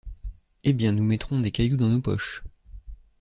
Eh bien nous mettrons des cailloux dans nos poches.